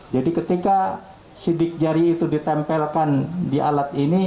jadi ketika sidik jari itu ditempelkan di alat ini